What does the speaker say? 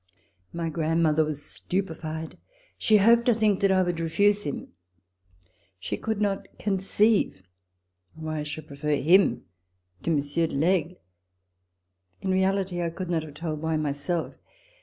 My grandmother was stupefied. She hoped, I think, that I would refuse him. She could not con ceive why I should prefer him to Monsieur de L'Aigle. In reality, I could not have told why myself.